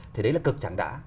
thì đấy là cực chẳng đã